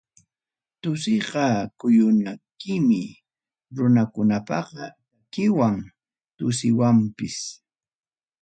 Tusuyqa kuyunakuymi runakunapaqa, takiwan tusuywanpas.